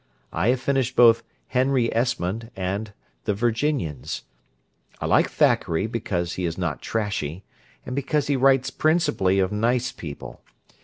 I have finished both "Henry Esmond" and "The Virginians." I like Thackeray because he is not trashy, and because he writes principally of nice people.